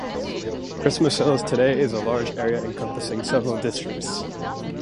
Christmas Hills today is a large area encompassing several districts.